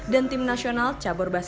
dan tim nasional capai capai